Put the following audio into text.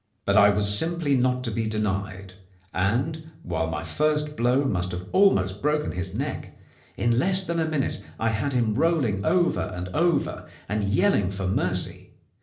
But I was simply not to be denied, and, while my first blow must have almost broken his neck, in less than a minute I had him rolling over and over and yelling for mercy.